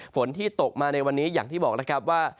ฝนที่ตกมาในวันนี้อย่างที่บอกแล้วครับว่า